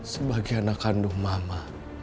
sebagai anak kandung mama